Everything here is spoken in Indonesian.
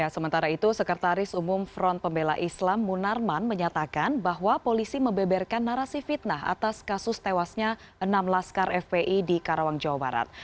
sementara itu sekretaris umum front pembela islam munarman menyatakan bahwa polisi membeberkan narasi fitnah atas kasus tewasnya enam laskar fpi di karawang jawa barat